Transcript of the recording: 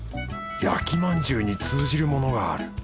焼まんじゅうに通じるものがある